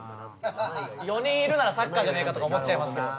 ４人いるならサッカーじゃねえかとか思っちゃいますけど。